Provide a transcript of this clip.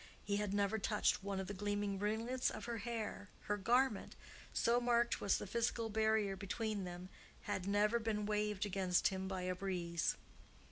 He had never touched one of the gleaming ringlets of her hair; her garment—so marked was the physical barrier between them—had never been waved against him by a breeze.